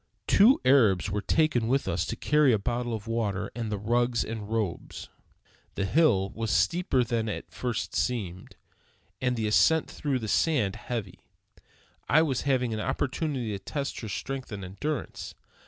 Two Arabs were taken with us to carry a bottle of water and the rugs and robes. The hill was steeper than it at first seemed; and the ascent through the sand heavy. I was having an opportunity to test her strength and endurance.